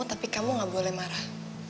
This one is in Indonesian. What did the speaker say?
tapi kamu gak boleh marah